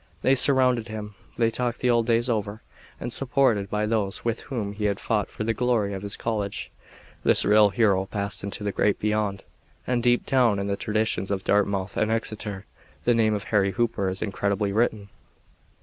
They surrounded him; they talked the old days over, and supported by those with whom he had fought for the glory of his college this real hero passed into the Great Beyond, and deep down in the traditions of Dartmouth and Exeter the name of Harry Hooper is indelibly written."